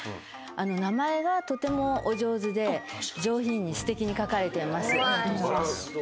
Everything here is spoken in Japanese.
名前がとてもお上手で上品にすてきに書かれています。